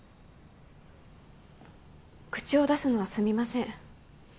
口を出すのはすみません